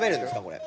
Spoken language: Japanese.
これ。